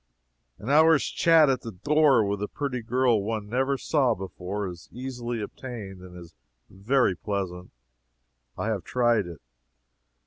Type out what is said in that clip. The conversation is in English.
An hour's chat at the door with a pretty girl one never saw before, is easily obtained, and is very pleasant. I have tried it.